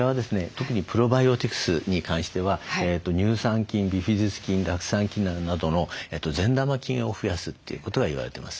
特にプロバイオティクスに関しては乳酸菌ビフィズス菌酪酸菌などの善玉菌を増やすということが言われてます。